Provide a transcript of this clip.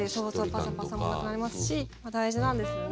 パサパサもなくなりますし大事なんですよね。